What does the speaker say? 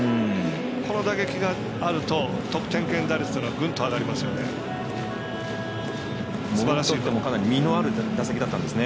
この打撃があると得点圏打率がぐんと上がりますよね。